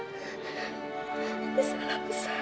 ini salah ini salah